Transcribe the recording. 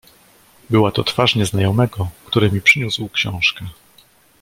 "Była to twarz nieznajomego, który mi przyniósł książkę."